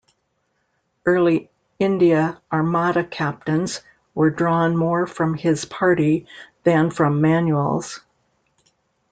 Early India armada captains were drawn more from his party, than from Manuel's.